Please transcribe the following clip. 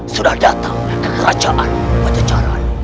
sudah datang ke kerajaan pajajaran